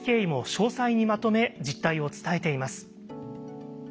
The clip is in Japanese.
詳細にまとめ実態を伝えています。